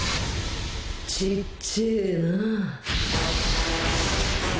ちっちぇえな。